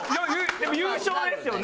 でも優勝ですよね？